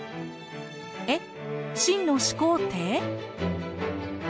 えっ秦の始皇帝？